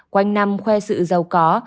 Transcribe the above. quanh năm khoe sự giàu có